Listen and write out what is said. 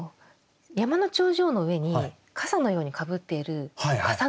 山の頂上の上にかさのようにかぶっているかさ